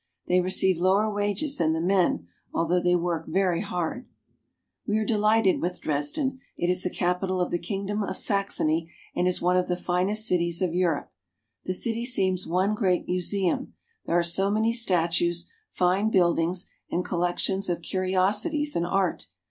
They receive lower wages than the men, although they work very hard. 226 GERMANY. We are delighted with Dresden. It is the capital of the kingdom of Saxony, and is one of the finest cities of Europe. The city seems one great museum, there are so many statues, fine buildings, and collections of curiosi ties and art.